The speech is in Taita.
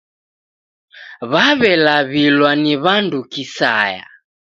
W'aw'elaw'ilwa ni w'andu kisaya